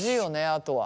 あとは。